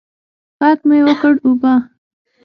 ږغ مې وکړ اوبه.